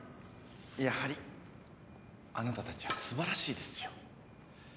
やはりあなたたちは素晴らしいですよ。